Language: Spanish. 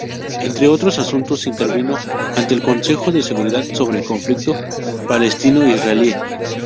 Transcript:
Entre otros asuntos, intervino ante el Consejo de Seguridad sobre el conflicto palestino-israelí.